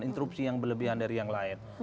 interupsi yang berlebihan dari yang lain